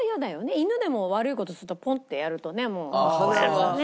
犬でも悪い事するとポンッてやるとねもうね。